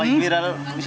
kalau anda mau lagi